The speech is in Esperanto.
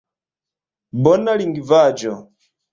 Bona lingvaĵo.